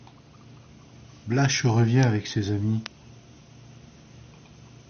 Blache revient avec ses amis.